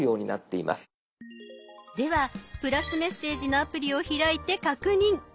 では「＋メッセージ」のアプリを開いて確認。